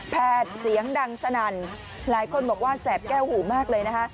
เสียงดังสนั่นหลายคนบอกว่าแสบแก้วหูมากเลยนะคะ